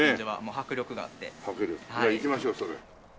迫力じゃあ行きましょうそれ。